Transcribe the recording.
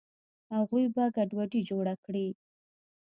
اغوئ به ګډوډي جوړه کي.